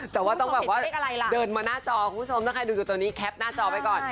แต่ต้องหน่อยเดินมาหน้าจอทุกคนคี่ต้องที่จะดูตัวนี้แคปหน้าจอไปก่อน